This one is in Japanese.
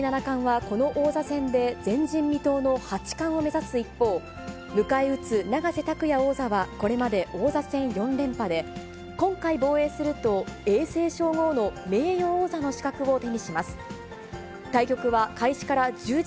藤井七冠はこの王座戦で、前人未到の八冠を目指す一方、迎え撃つ永瀬拓矢王座は、これまで王座戦４連覇で、今回防衛すると、永世称号の名誉王座の資格を手にします。